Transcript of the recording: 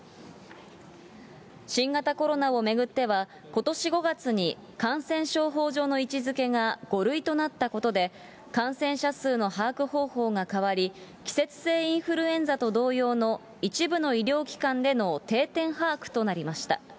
新型コロナを巡っては、ことし５月に感染症法上の位置づけが５類となったことで、感染者数の把握方法が変わり、季節性インフルエンザと同様の一部の医療機関での定点把握となりました。